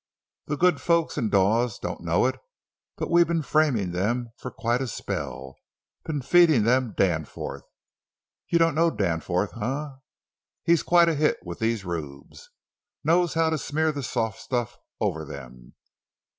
The good folks in Dawes don't know it, but we've been framing them for quite a spell—been feeding them Danforth. You don't know Danforth, eh? He's quite a hit with these rubes. Knows how to smear the soft stuff over them.